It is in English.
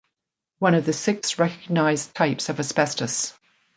One of the six recognized types of asbestos.